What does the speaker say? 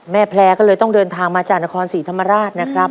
แพร่ก็เลยต้องเดินทางมาจากนครศรีธรรมราชนะครับ